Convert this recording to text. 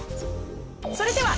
それでは。